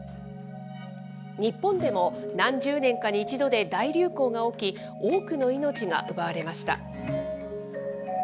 日本でも、何十年かに一度で大流行が起き、多くの命が奪われました。